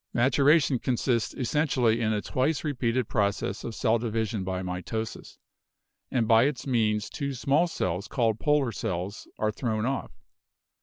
Maturation consists essentially in a twice repeated process of cell division by mitosis, and by its means two small cells called polar cells are thrown off.